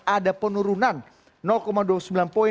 ada penurunan dua puluh sembilan poin